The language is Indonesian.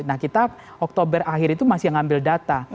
nah kita oktober akhir itu masih ngambil data